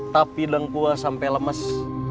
tapi lengkuas sampai lemes